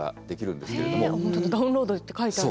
本当だダウンロードって書いてある。